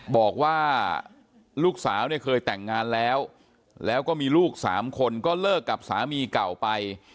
บอกว่าลูกสาวเนี่ยเคยแต่งงานแล้วแล้วก็มีลูก๓คนก็เลิกกับสามีเก่าไป